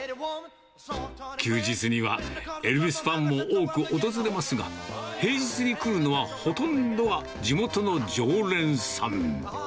休日にはエルヴィスファンも多く訪れますが、平日に来るのは、ほとんどが地元の常連さん。